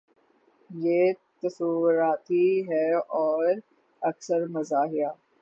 یہ تصوراتی ہے اور اکثر مزاحیہ